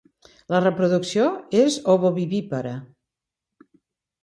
La reproducció és ovovivípara.